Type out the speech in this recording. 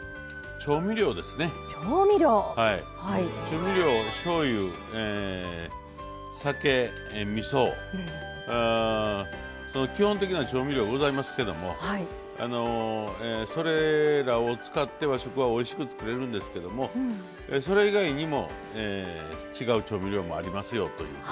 調味料しょうゆ酒みそその基本的な調味料ございますけどもそれらを使って和食はおいしく作れるんですけどもそれ以外にも違う調味料もありますよという。